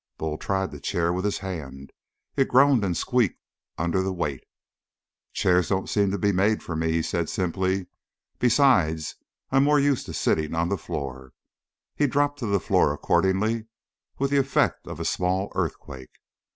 Bull tried the chair with his hand. It groaned and squeaked under the weight. "Chairs don't seem to be made for me," he said simply. "Besides I'm more used to sitting on the floor." He dropped to the floor accordingly, with the effect of a small earthquake.